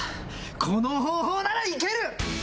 この方法なら行ける！